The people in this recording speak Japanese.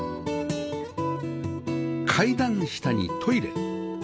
階段下にトイレ